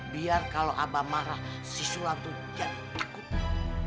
biar kalo abah marah si sulam tuh jadi takut